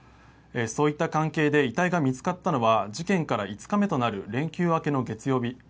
そういった関係で遺体が見つかったのは事件から５日目となる連休明けの月曜日。